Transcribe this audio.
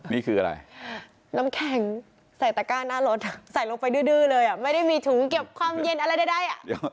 นี่คืออะไรน้ำแข็งใส่ตะก้าหน้ารถใส่ลงไปดื้อเลยไม่ได้มีถุงเก็บความเย็นอะไรใด